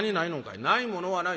「ないものはない。